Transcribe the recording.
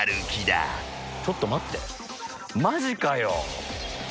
ちょっと待ってマジかよ！